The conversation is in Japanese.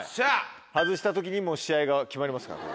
外した時にもう試合が決まりますから。